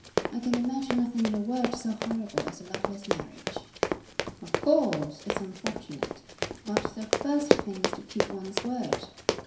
I can imagine nothing in the world so horrible as a loveless marriage." "Of course, it's unfortunate; but the first thing is to keep one's word."